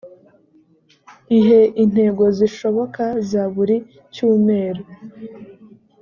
ihe intego zishoboka za buri cyumeru